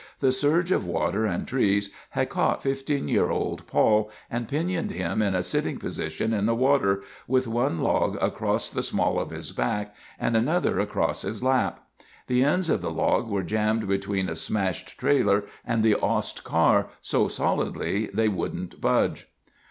The surge of water and trees had caught 15 year old Paul and pinioned him in a sitting position in the water, with one log across the small of his back and another across his lap. The ends of the log were jammed between a smashed trailer and the Ost car, so solidly they wouldn't budge.